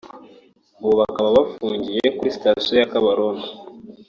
ubu bakaba bafungiye kuri sitasiyo ya Kabarondo